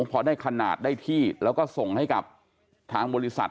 พอได้ขนาดได้ที่แล้วก็ส่งให้กับทางบริษัท